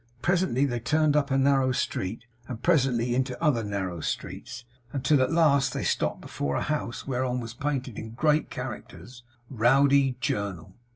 Presently they turned up a narrow street, and presently into other narrow streets, until at last they stopped before a house whereon was painted in great characters, 'ROWDY JOURNAL.